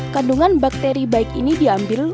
kandungan bakteri baik ini diambil